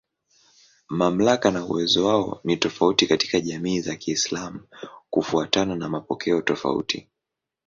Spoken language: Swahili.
Mamlaka na uwezo wao ni tofauti katika jamii za Kiislamu kufuatana na mapokeo tofauti.